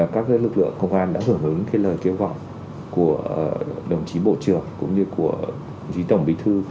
các lực lượng công an đã hưởng ứng lời kêu gọi của đồng chí bộ trưởng cũng như của đồng chí tổng bí thư